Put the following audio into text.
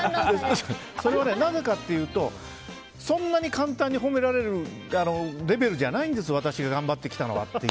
それはなぜかっていうとそんなに簡単に褒められるレベルじゃないんです私が頑張ってきたのはという。